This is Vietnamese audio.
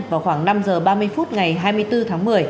vào khoảng năm giờ ba mươi phút ngày hai mươi bốn tháng một mươi